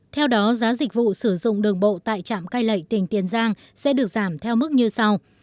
theo đó giá dịch vụ sử dụng đường bộ tại trạm cai lệ tỉnh tiền giang sẽ được giảm theo mức như sau